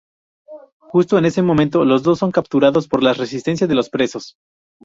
Justo en ese momento los dos son capturados por la resistencia de los presos.